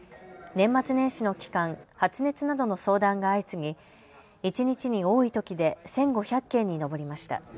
年末年始の期間、発熱などの相談が相次ぎ一日に多いときで１５００件に上りました。